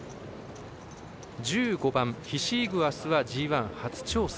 １５番ヒシイグアスはＧＩ初挑戦。